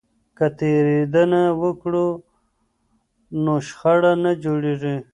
که تیریدنه وکړو نو شخړه نه جوړیږي.